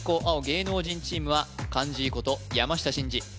青芸能人チームは漢爺こと山下真司